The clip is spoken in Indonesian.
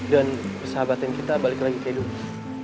dan persahabatan kita balik lagi ke hidup